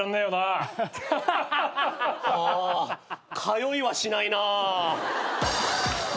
通いはしないな。